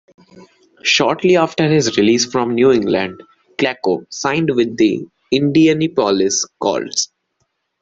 Shortly after his release from New England, Klecko signed with the Indianapolis Colts.